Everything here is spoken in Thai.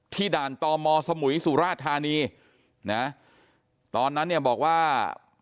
ด่านตมสมุยสุราธานีนะตอนนั้นเนี่ยบอกว่า